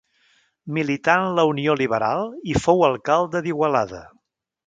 Milità en la Unió Liberal i fou alcalde d'Igualada.